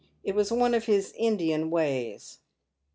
It was one of his Indian ways.